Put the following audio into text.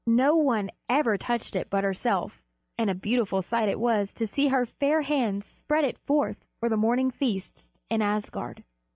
No one ever touched it but herself, and a beautiful sight it was to see her fair hands spread it forth for the morning feasts in Asgard.